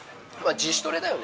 自主トレだよね。